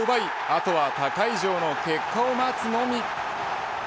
あとは他会場の結果を待つのみ。